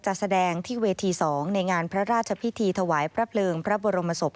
จัดแสดงที่เวที๒ในงานพระราชพิธีถวายพระเพลิงพระบรมศพ